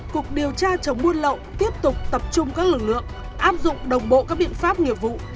cục điều tra chống buôn lậu tiếp tục tập trung các lực lượng áp dụng đồng bộ các biện pháp nghiệp vụ